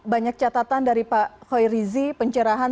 banyak catatan dari pak hoirizi pencerahan